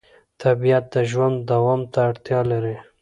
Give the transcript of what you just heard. طبیعت د ژوند دوام ته اړتیا لري